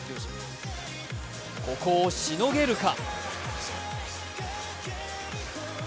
ここをしのげるか。